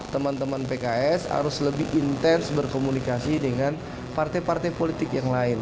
teman teman pks harus lebih intens berkomunikasi dengan partai partai politik yang lain